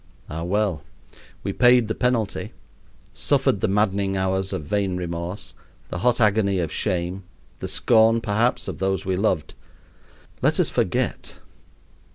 Ah, well! we paid the penalty, suffered the maddening hours of vain remorse, the hot agony of shame, the scorn, perhaps, of those we loved. Let us forget.